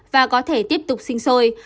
và có thể tiếp tục sinh sôi